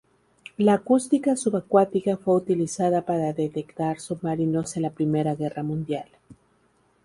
La acústica subacuática fue utilizada para detectar submarinos en la Primera Guerra Mundial.